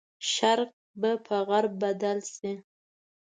شرق به په غرب بدل شي.